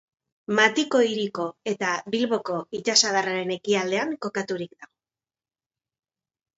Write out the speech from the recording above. Matiko hiriko eta Bilboko itsasadarraren ekialdean kokaturik dago.